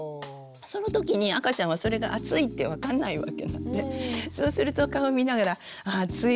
その時に赤ちゃんはそれが暑いって分かんないわけなんでそうすると顔見ながら「ああ暑いよね」